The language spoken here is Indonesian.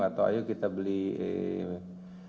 atau ayo kita beli makanan di sebelah